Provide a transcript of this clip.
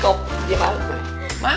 kok dia malu pak